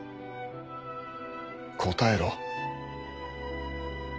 答えろ。